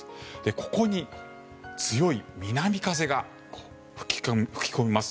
ここに強い南風が吹き込みます。